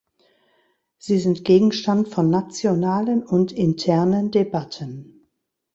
Sie sind Gegenstand von nationalen und internen Debatten.